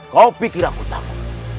kau pikir aku takut